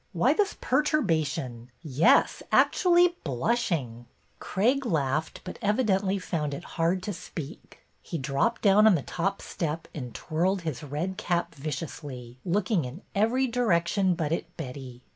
Why this perturbation? Yes, actually blushing! " 7 98 BETTY BAIRD'S VENTURES Craig laughed, but evidently found it hard to speak. He dropped down on the top step and twirled his red cap viciously, looking in every direction but at Betty.